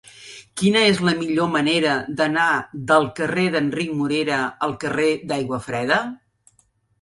Quina és la millor manera d'anar del carrer d'Enric Morera al carrer d'Aiguafreda?